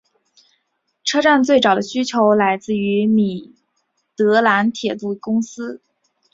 车站最早的需求来自米德兰铁路公司。